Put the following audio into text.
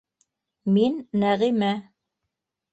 Мин - Нәғимә.